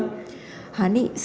apa yang hany lakukan